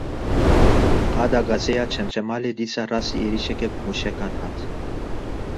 Qada gazê ya Çemçemalê dîsa rastî êrişeke bi mûşekan hat.